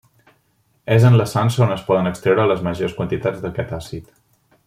És en la sansa on es poden extreure les majors quantitats d'aquest àcid.